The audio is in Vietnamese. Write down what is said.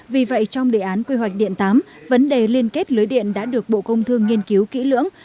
vì vậy trong đề án quy hoạch điện tám vấn đề liên kết lưới điện đã được bộ công thương nghiên cứu kỹ lưỡng